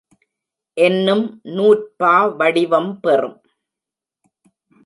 என்னும் நூற்பா வடிவம் பெறும்.